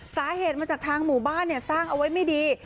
สาเหตุมาจากทางหมู่บ้านสร้างเอาไว้ไม่ดี